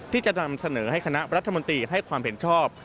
ที่จะนำเสนอให้คณะรัฐมนตรีให้ความเห็นชอบ